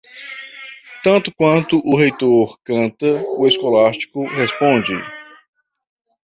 Tanto quanto o reitor canta, o escolástico responde.